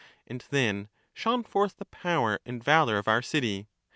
And then shone forth the power and valour of *our city.